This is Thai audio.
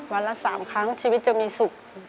วันละ๓ครั้งชีวิตจะมีสุข